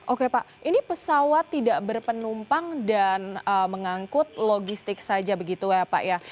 oke pak ini pesawat tidak berpenumpang dan mengangkut logistik saja begitu ya pak ya